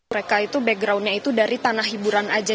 mereka itu backgroundnya itu dari tanah hiburan aja